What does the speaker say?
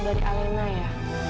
dari alena ya